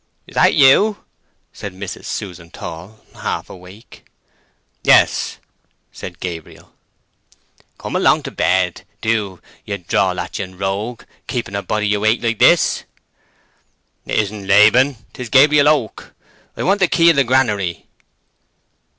"Is that you?" said Mrs. Susan Tall, half awake. "Yes," said Gabriel. "Come along to bed, do, you drawlatching rogue—keeping a body awake like this!" "It isn't Laban—'tis Gabriel Oak. I want the key of the granary."